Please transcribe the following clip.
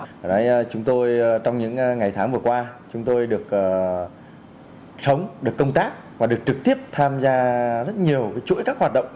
chúng tôi trong những ngày tháng vừa qua chúng tôi được sống được công tác và được trực tiếp tham gia rất nhiều chuỗi các hoạt động